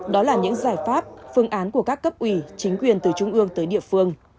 đó là những giải pháp phương án của các cấp ủy chính quyền từ trung ương tới địa phương